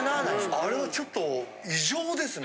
あれはちょっと異常ですね。